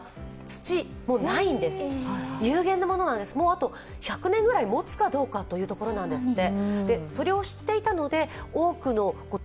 あと１００年くらいもつかどうかというところなんですって。